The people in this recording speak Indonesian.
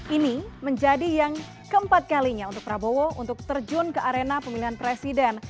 ini menjadi yang keempat kalinya untuk prabowo untuk terjun ke arena pemilihan presiden